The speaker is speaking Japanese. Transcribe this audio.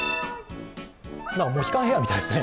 モヒカンヘアみたいですね。